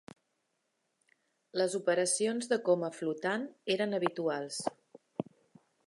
Les operacions de coma flotant eren habituals.